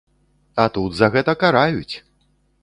А тут за гэта караюць!